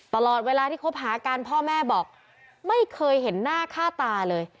ตลอดเวลาที่คบหากันพ่อแม่บอกไม่เคยเห็นหน้าค่าตาเลย